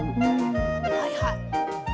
はいはい。